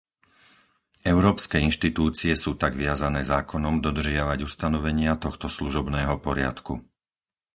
Európske inštitúcie sú tak viazané zákonom dodržiavať ustanovenia tohto služobného poriadku.